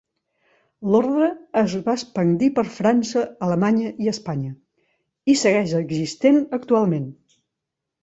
L"ordre es va expandir per França, Alemanya i Espanya i segueix existent actualment.